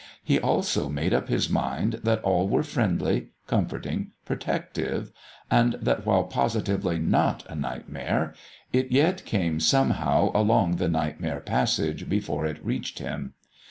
He also made up his mind that all were friendly, comforting, protective, and that while positively not a Nightmare, it yet came somehow along the Nightmare Passage before it reached him.